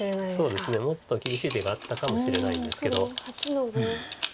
そうですねもっと厳しい手があったかもしれないんですけど。